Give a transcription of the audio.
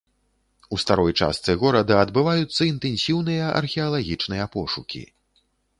У старой частцы горада адбываюцца інтэнсіўныя археалагічныя пошукі.